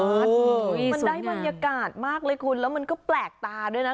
มันได้บรรยากาศมากเลยคุณแล้วมันก็แปลกตาด้วยนะ